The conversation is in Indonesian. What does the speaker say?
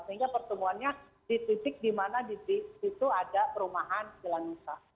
sehingga pertemuannya di titik di mana di situ ada perumahan silangusa